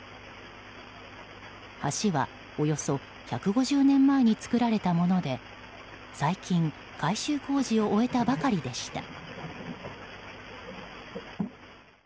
橋は、およそ１５０年前に作られたもので最近、改修工事を終えたばかりでした。